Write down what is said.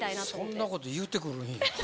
そんなこと言うてくるんや。